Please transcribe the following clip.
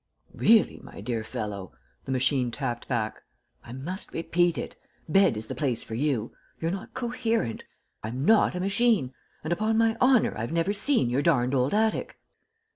"Really, my dear fellow," the machine tapped back, "I must repeat it. Bed is the place for you. You're not coherent. I'm not a machine, and upon my honor, I've never seen your darned old attic."